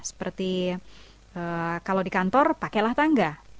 seperti kalau di kantor pakailah tangga